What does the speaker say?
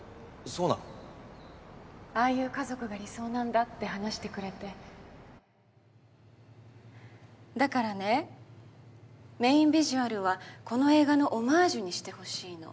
そうなのああいう家族が理想なんだって話してくれだからねメインビジュアルはこの映画のオマージュにしてほしいの。